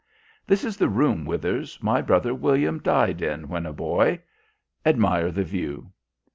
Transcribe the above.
"This is the room, Withers, my brother William died in when a boy. Admire the view!"